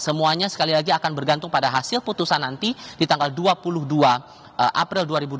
semuanya sekali lagi akan bergantung pada hasil putusan nanti di tanggal dua puluh dua april dua ribu dua puluh